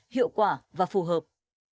hiệu quả và phù hợp